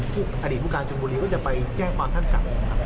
ผู้คดีพวกการจุฐุบุรีก็จะไปแจ้งความท่านขับ